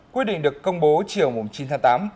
quyết định được công bố chiều chín tháng tám